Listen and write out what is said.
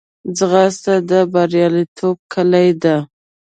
ځغاسته د بریالیتوب کلۍ ده